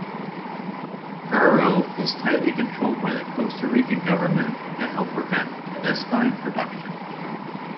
Guaro is tightly controlled by the Costa Rican government to help prevent clandestine production.